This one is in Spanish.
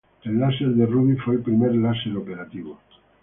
El láser de rubí fue el primer láser operativo.